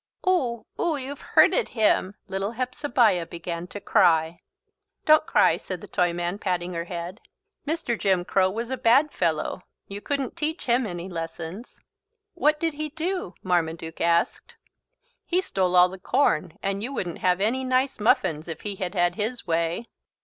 "Oo, oo! You've hurted him!" Little Hepzebiah began to cry. "Don't cry," said the Toyman, patting her head. "Mr. Jim Crow was a bad fellow. You couldn't teach him any lessons." "What did he do?" Marmaduke asked. "He stole all the corn and you wouldn't have any nice muffins if he had had his way.